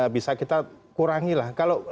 bisa kita kurangi lah kalau